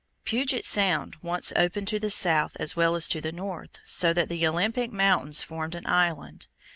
Puget Sound once opened to the south as well as to the north, so that the Olympic Mountains formed an island.